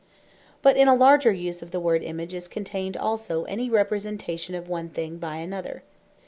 But in a larger use of the word Image, is contained also, any Representation of one thing by another.